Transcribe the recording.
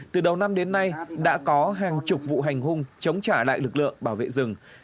từ đầu năm đến nay đã có hàng chục vụ hành hung chống trả lại lực lượng bảo vệ rừng